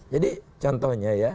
jadi contohnya ya